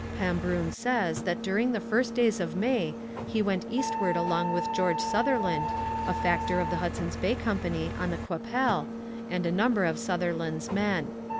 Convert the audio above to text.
Pambrun says that during the first days of May he went eastward along with George Sutherland, a factor of the Hudson's Bay Company on the Qu'Appelle, and a number of Sutherland's men.